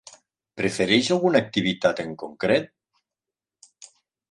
Prefereix alguna activitat en concret?